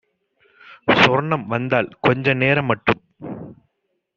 சொர்ணம் வந்தால் கொஞ்ச நேரம்மட்டும்